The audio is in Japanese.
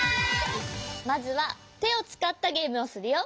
まずはてをつかったゲームをするよ。